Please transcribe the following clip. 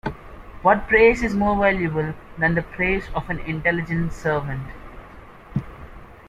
What praise is more valuable than the praise of an intelligent servant?